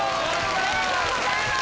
おめでとうございます！